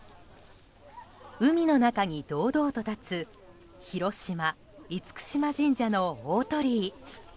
海の中に堂々と立つ広島・厳島神社の大鳥居。